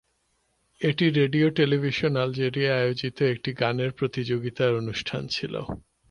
এটি radio television আলজেরিয়ার আয়োজিত একটি গানের প্রতিযোগিতার অনুষ্ঠান ছিল।